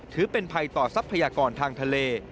ถือเป็นภัยต่อทรัพยากรทางทะเล